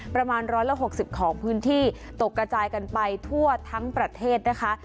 ประมาณ๑๖๐ของพื้นที่ตกกระจายกันไปทั่วทั้งประเทศนะคะ